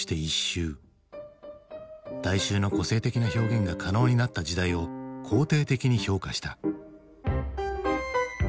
大衆の個性的な表現が可能になった時代を肯定的に評価した。